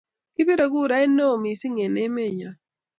kibirei kurait neo mising en emenyo